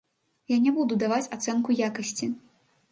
Я не буду даваць ацэнку якасці.